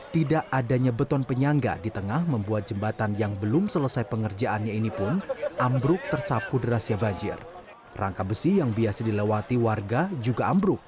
tidak adanya beton penyangga di tengah membuat jembatan yang belum selesai pengerjaannya ini pun ambruk tersapu derasnya banjir